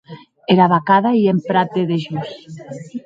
Era vacada ei en prat de dejós.